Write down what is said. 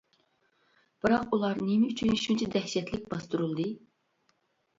بىراق ئۇلار نېمە ئۈچۈن شۇنچە دەھشەتلىك باستۇرۇلدى.